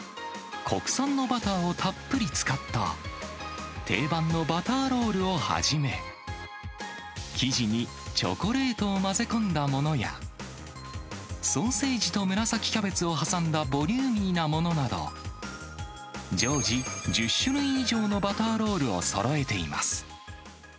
国産のバターをたっぷり使った、定番のバターロールをはじめ、生地にチョコレートを混ぜ込んだものや、ソーセージと紫キャベツを挟んだボリューミーなものなど、常時１０種類以上のバターロールをそろえています。